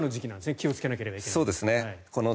気をつけなければいけないのは。